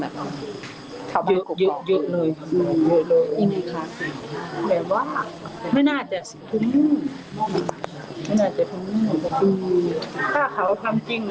แบบเยอะเลยแบบว่าไม่น่าจะทุนไม่น่าจะทุนถ้าเขาทำจริง